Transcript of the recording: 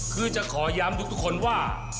คือจะขอย้ำทุกคนว่า